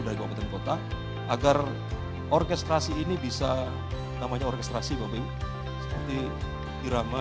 dari kabupaten kota agar orkestrasi ini bisa namanya orkestrasi bapak ibu seperti irama